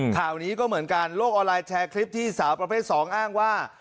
ข่าวนี้ก็เหมือนกันโลกออนไลน์แชร์คลิปที่สาวประเภท๒อ้างว่า